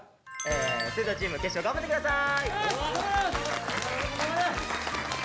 末澤チーム決勝頑張って下さい。